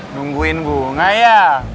nungguin bunga ya